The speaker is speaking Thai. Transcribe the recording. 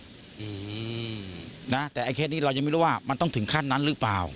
อืมนะแต่ไอ้เคสนี้เรายังไม่รู้ว่ามันต้องถึงขั้นนั้นหรือเปล่า